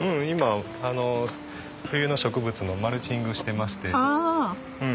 今冬の植物のマルチングしてまして。